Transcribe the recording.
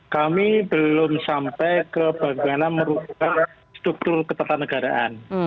kami belum sampai ke bagaimana merubah struktur ketatanegaraan